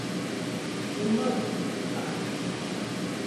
Умыгъ, кхъыӏэ.